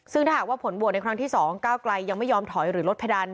ซึ่งถ้าหากว่าผลโหวตในครั้งที่๒ก้าวไกลยังไม่ยอมถอยหรือลดเพดาน